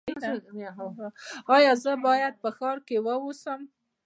ایا زه باید په ښار کې اوسم؟